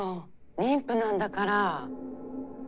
妊婦なんだから。